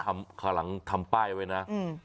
คราวหลังทำป้ายไว้นะ